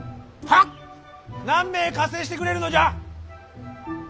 何名加勢してくれるのじゃ。